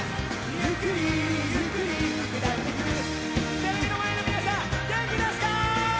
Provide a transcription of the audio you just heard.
テレビの前の皆さん、元気ですか？